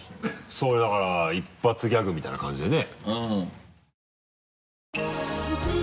そうだから一発ギャグみたいな感じでね。